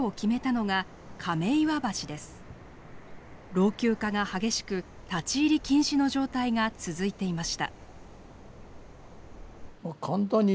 老朽化が激しく立ち入り禁止の状態が続いていました。